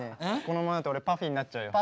このままだと俺ＰＵＦＦＹになっちゃうよ。